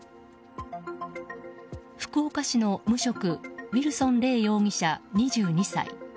福岡市の無職ウィルソン嶺容疑者、２２歳。